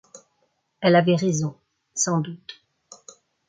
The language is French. Elle avait raison, sans doute.